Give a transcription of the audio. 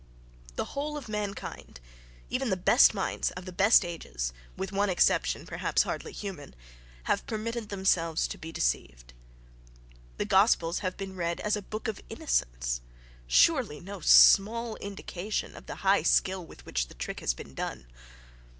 The whole of mankind, even the best minds of the best ages (with one exception, perhaps hardly human—), have permitted themselves to be deceived. The gospels have been read as a book of innocence ... surely no small indication of the high skill with which the trick has been done.